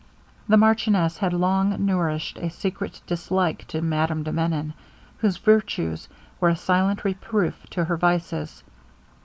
The marchioness had long nourished a secret dislike to Madame de Menon, whose virtues were a silent reproof to her vices.